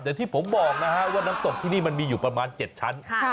อย่างที่ผมบอกนะฮะว่าน้ำตกที่นี่มันมีอยู่ประมาณ๗ชั้น